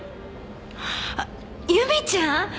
あっ由美ちゃん？